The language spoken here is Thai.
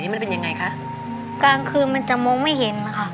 มันเป็นยังไงคะกลางคืนมันจะมองไม่เห็นนะคะ